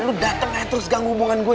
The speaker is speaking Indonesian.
lu dateng ya terus ganggu hubungan gue